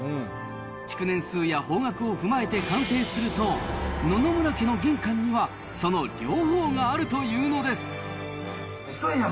築年数や方角を踏まえて鑑定すると、野々村家の玄関にはその両方があるというのです。